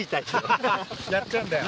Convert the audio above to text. やっちゃうんだよ。